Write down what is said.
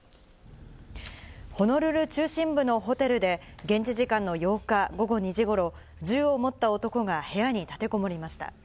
ホノルル中心部のホテルで、現地時間の８日午後２時ごろ、銃を持った男が部屋に立てこもりました。